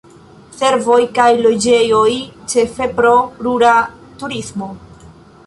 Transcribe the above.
Servoj kaj loĝejoj, ĉefe pro rura turismo.